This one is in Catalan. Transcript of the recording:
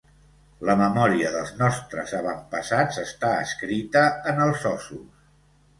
La memòria dels nostres avantpassats està escrita en els ossos.